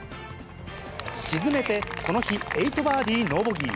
沈めて、この日、８バーディー、ノーボギー。